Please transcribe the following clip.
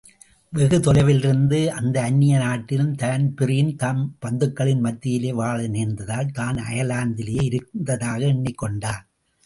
வெகுதொலைவிலிருந்த அந்த அந்நிய நாட்டிலும், தான்பிரீன் தம் பந்துக்களின் மத்தியிலே வாழ நேர்ந்ததால், தான் அயர்லாந்திலேயே இருந்ததாக எண்ணிக்கொண்டான்.